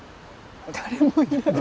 誰もいない。